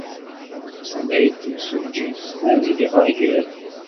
Tenna-iyi-d temsujjit ad geɣ agal.